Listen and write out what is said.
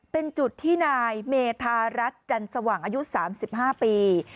เป็นจุดที่นายเมธารัฐจันสว่างอายุ๓๕ปี